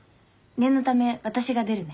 念のため私が出るね。